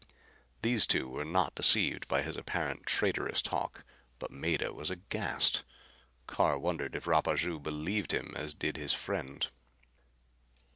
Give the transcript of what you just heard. These two were not deceived by his apparent traitorous talk, but Mado was aghast. Carr wondered if Rapaju believed him as did his friend.